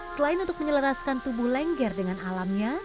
selain untuk menyelaraskan tubuh lengger dengan alamnya